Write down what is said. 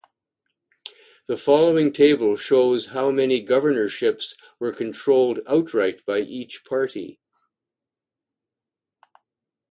The following table shows how many governorships were controlled outright by each party.